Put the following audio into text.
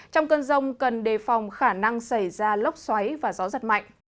trong cơn rông cần đề phòng khả năng xảy ra lốc xoáy và gió giật mạnh